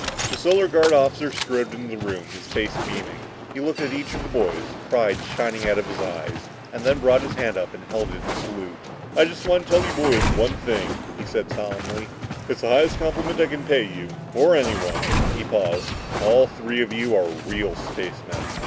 The Solar Guard officer strode into the room, his face beaming. He looked at each of the boys, pride shining out of his eyes, and then brought his hand up and held it in salute. "I just want to tell you boys one thing," he said solemnly. "It's the highest compliment I can pay you, or anyone." He paused. "All three of you are real spacemen!"